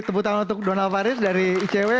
tepuk tangan untuk donald faris dari icw